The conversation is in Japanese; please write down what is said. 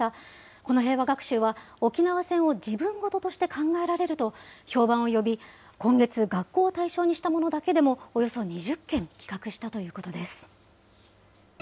この平和学習は沖縄戦を自分事として考えられると評判を呼び、今月、学校を対象にしたものだけでもおよそ２０件企画したということです。